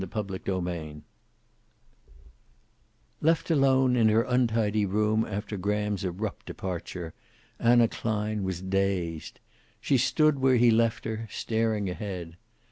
CHAPTER XXXV Left alone in her untidy room after Graham's abrupt departure, Anna Klein was dazed. She stood where he left her, staring ahead.